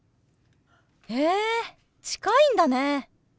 へえ近いんだね。